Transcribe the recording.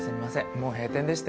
もう閉店でして。